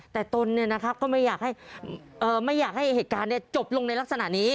แต่ตนก็ไม่อยากให้เหตุการณ์จบลงในลักษณะนี้